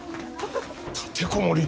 立てこもり！？